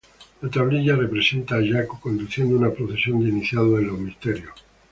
La tablilla representa a Yaco conduciendo una procesión de iniciados en los misterios.